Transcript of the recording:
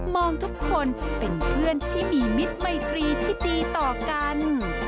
ทุกคนเป็นเพื่อนที่มีมิตรมัยตรีที่ดีต่อกัน